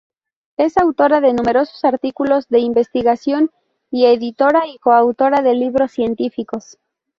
Es autora de numerosos artículos de investigación y editora y coautora de libros científicos.